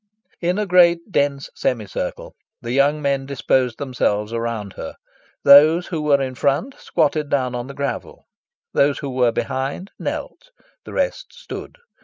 In a great dense semicircle the young men disposed themselves around her. Those who were in front squatted down on the gravel; those who were behind knelt; the rest stood.